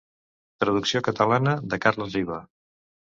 Traducció catalana de Carles Riba.